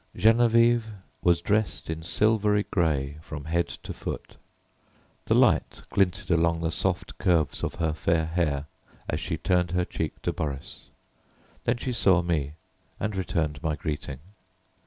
Geneviève was dressed in silvery grey from head to foot. The light glinted along the soft curves of her fair hair as she turned her cheek to Boris; then she saw me and returned my greeting.